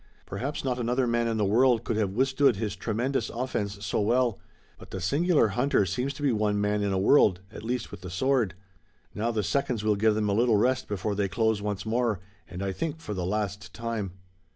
Perhaps not another man in the world could have withstood his tremendous offense so well, but the singular hunter seems to be one man in a world, at least with the sword. Now, the seconds will give them a little rest before they close once more, and, I think, for the last time."